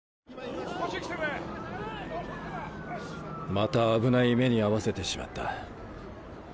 また危ない目に遭わせてしまった。